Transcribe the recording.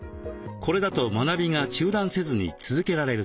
これだと学びが中断せずに続けられるそう。